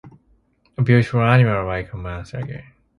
‘A beautiful animal!’ I commenced again.